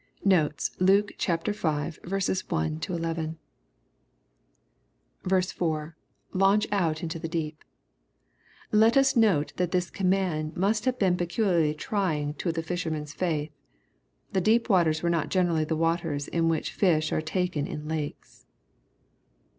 Notes. Luke V. 1 — 11. i, — [Latmch oni into the deep^ Let us note that this command must have been peculiarly trying to a fisherman's faith. The deep waters are not generally the waters in which fish are taken in lakes.